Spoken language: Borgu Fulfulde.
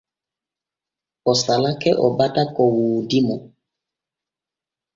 O salake o bata ko woodi mo.